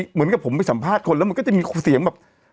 เหมือนกับผมไปสัมภาษณ์คนแล้วมันก็จะมีเสียงแบบ